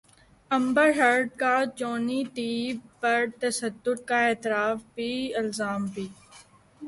امبر Heard کا Johnny Depp پر تشدد کا اعتراف بھی الزام بھی